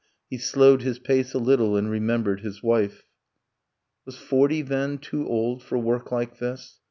... He slowed his pace a little and remembered his wife. Was forty, then, too old for work like this?